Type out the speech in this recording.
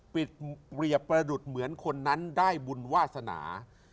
เปรียบประดุษเหมือนคนนั้นได้บุญวาสนา